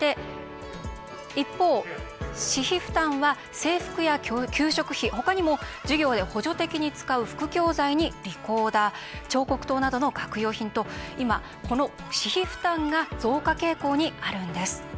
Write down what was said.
一方、私費負担は制服や給食費ほかにも授業で補助的に使う副教材にリコーダー彫刻刀などの学用品と今、この私費負担が増加傾向にあるんです。